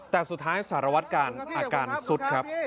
แต่สุดท้ายสารวัตการอาการสุดครับ